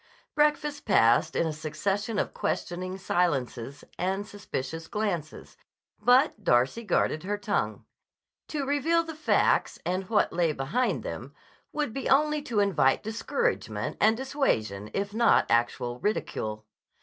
Breakfast passed in a succession of questioning silences and suspicious glances, but Darcy guarded her tongue. To reveal the facts and what lay behind them would be only to invite discouragement and dissuasion if not actual ridicule.